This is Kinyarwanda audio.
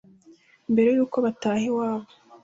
mbere y’uko bataha iwabo